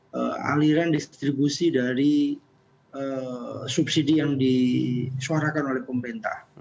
belum mendapatkan aliran distribusi dari subsidi yang disuarakan oleh pembentah